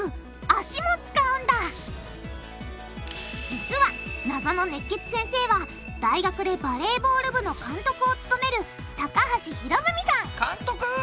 実は謎の熱血先生は大学でバレーボール部の監督を務める高橋宏文さん監督！